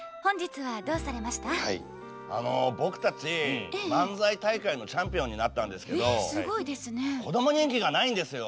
あの僕たち漫才大会のチャンピオンになったんですけどこども人気がないんですよ。